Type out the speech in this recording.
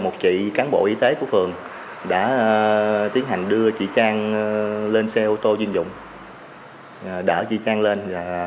một chị cán bộ y tế của phường đã tiến hành đưa chị trang lên xe ô tô chuyên dụng đỡ chị trang lên